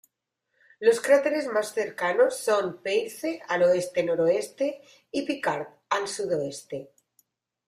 Los cráteres más cercanos son Peirce al oeste-noroeste, y Picard al sudoeste.